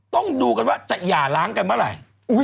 ต้องดูกันว่าจะหย่าล้างกันเมื่อไหร่